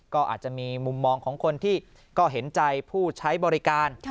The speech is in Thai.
ก็อาจจะมีมุมมองของคนที่ก็เห็นใจผู้ใช้บริการ